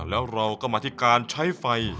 แล้วเราก็มาที่การใช้ไฟ